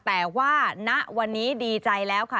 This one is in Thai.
แต่ว่าณวันนี้ดีใจแล้วค่ะ